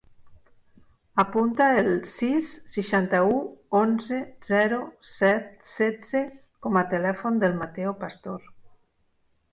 Apunta el sis, seixanta-u, onze, zero, set, setze com a telèfon del Matteo Pastor.